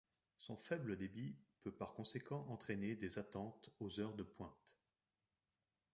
Son faible débit peut par conséquent entraîner des attentes aux heures de pointe.